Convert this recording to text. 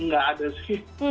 gak ada sih